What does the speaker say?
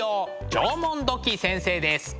縄文土器先生です。